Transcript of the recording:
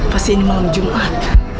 pasti ini malam jumat